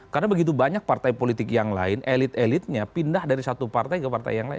karena begitu banyak partai politik yang lain elit elitnya pindah dari satu partai ke partai yang lain